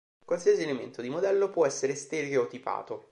Qualsiasi elemento di modello può essere "stereotipato".